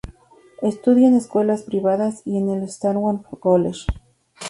Estudió en escuelas privadas y en el Swarthmore College.